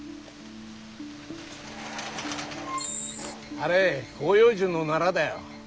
あれ広葉樹のナラだよ。